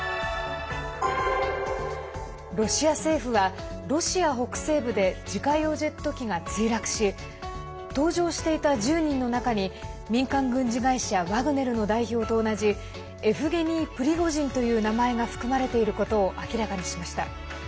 ロシア政府はロシア北西部で自家用ジェット機が墜落し搭乗していた１０人の中に民間軍事会社ワグネルの代表と同じ、エフゲニー・プリゴジンという名前が含まれていることを明らかにしました。